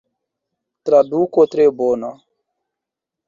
Traduko tre bona.